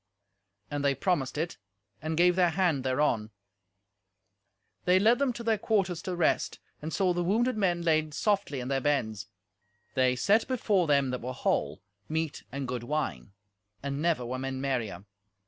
And they promised it, and gave their hand thereon. They led them to their quarters to rest, and saw the wounded men laid softly in their beds. They set before them that were whole meat and good wine, and never were men merrier.